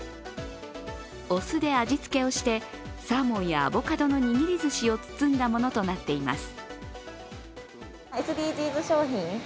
お酢で味付けをして、サーモンやアボカドの握りずしを包んだものとなっています。